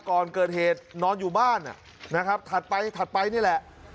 ก่อนเกิดเหตุนอนอยู่บ้านนะครับถัดไปถัดไปนี่แหละ